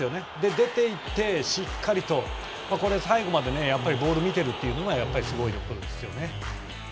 出ていってしっかりと最後までボールを見ているというのがやっぱりすごいところですよね。